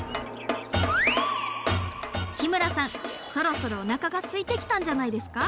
日村さんそろそろおなかがすいてきたんじゃないですか？